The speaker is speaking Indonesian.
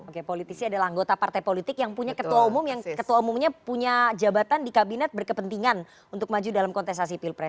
oke politisi adalah anggota partai politik yang punya ketua umum yang ketua umumnya punya jabatan di kabinet berkepentingan untuk maju dalam kontestasi pilpres